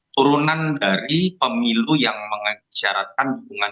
turunan dari pemilu yang mengisyaratkan dukungan dua puluh lima